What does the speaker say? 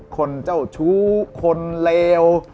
คนเจ้าชู้คนเลว